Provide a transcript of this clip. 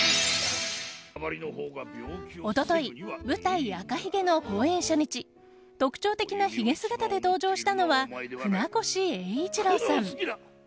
一昨日舞台「赤ひげ」の公演初日特徴的なひげ姿で登場したのは船越英一郎さん。